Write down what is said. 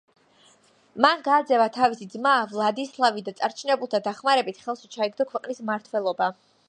მან გააძევა თავისი ძმა ვლადისლავი და წარჩინებულთა დახმარებით ხელში ჩაიგდო ქვეყნის მმართველობა.